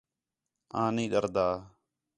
آں نہیں ݙردا